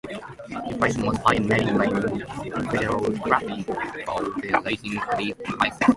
Inflation was high and many blamed federal tariffs for the rising prices.